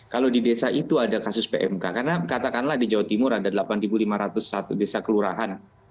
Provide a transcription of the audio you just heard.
kalau di desa itu ada kasus pmk karena katakanlah di jawa timur ada delapan lima ratus satu desa kelurahan